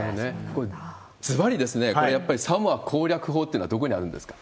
これずばり、これ、やっぱりサモア攻略法というのはどこにあるんですか？